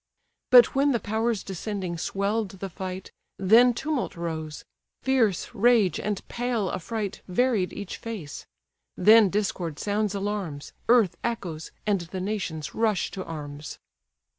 But when the powers descending swell'd the fight, Then tumult rose: fierce rage and pale affright Varied each face: then Discord sounds alarms, Earth echoes, and the nations rush to arms.